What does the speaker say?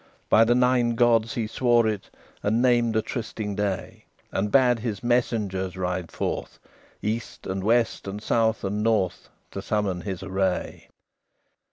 By the Nine Gods he swore it, And named a trysting day, And bade his messengers ride forth, East and west and south and north, To summon his array.